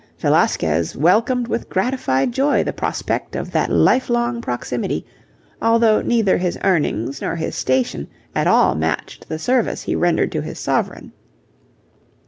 Velasquez welcomed with gratified joy the prospect of that life long proximity, although neither his earnings nor his station at all matched the service he rendered to his sovereign.